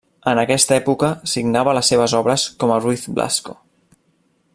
En aquesta època, signava les seves obres com a Ruiz Blasco.